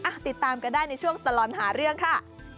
ติดตามกันได้ในช่วงตลอดหาเรื่องค่ะ